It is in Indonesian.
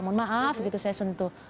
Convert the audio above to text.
mohon maaf gitu saya sentuh